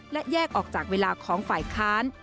และแยกออกจากเวลาของฝ่ายค้าน